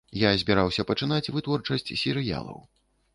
Я збіраўся пачынаць вытворчасць серыялаў.